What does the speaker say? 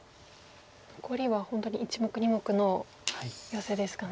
残りは本当に１目２目のヨセですかね。